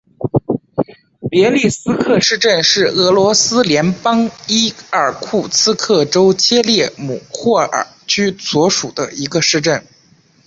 别利斯克市镇是俄罗斯联邦伊尔库茨克州切列姆霍沃区所属的一个市镇。